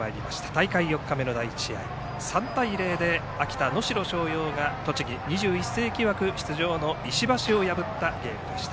大会４日目の第１試合は３対０で秋田・能代松陽が栃木の２１世紀枠出場の石橋を破ったゲームでした。